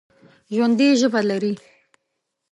ژوندي ژبه لري